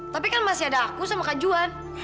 tapi kan masih ada aku sama kak juan